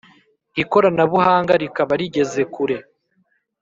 ikoranabuhanga rikaba rigeze kure